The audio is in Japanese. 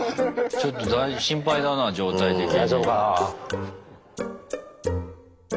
ちょっと心配だな状態的に。